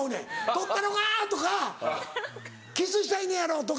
「取ったろか？」とか「キスしたいねやろ？」とか。